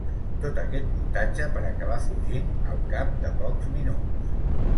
Tot aquest muntatge per acabar fugint al cap de pocs minuts.